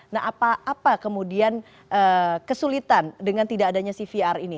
nah apa kemudian kesulitan dengan tidak adanya cvr ini